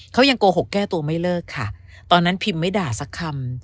เขายังโกหกแก้ตัวไม่เลิกค่ะตอนนั้นพิมไม่ด่าสักคำ